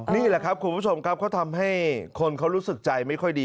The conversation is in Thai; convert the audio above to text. นี่แหละครับคุณผู้ชมครับเขาทำให้คนเขารู้สึกใจไม่ค่อยดี